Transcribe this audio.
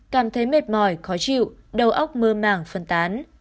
cảm thấy mệt mỏi khó chịu đầu óc mơ màng phân tán